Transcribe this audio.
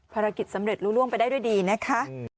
ภารกิจสำเร็จรู้ล่วงไปได้ด้วยดีนะคะ